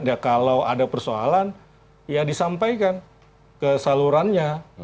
ya kalau ada persoalan ya disampaikan ke salurannya